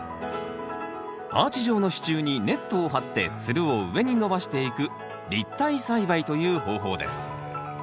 アーチ状の支柱にネットを張ってつるを上に伸ばしていく立体栽培という方法です。